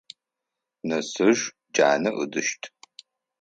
Нэсыж джанэ ыдыщт.